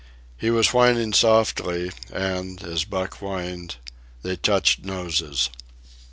He was whining softly, and, as Buck whined, they touched noses.